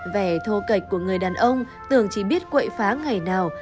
vẻ thô cạch của người đàn ông tưởng chỉ biết quậy phá ngày nào